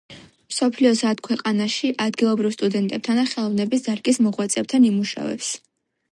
მსოფლიოს ათ ქვეყანაში ადგილობრივ სტუდენტებთან და ხელოვნების დარგის მოღვაწეებთან იმუშავებს.